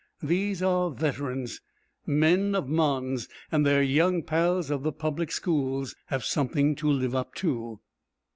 These are veterans, men of Mons, and their young pals of the public schools have something to live up to.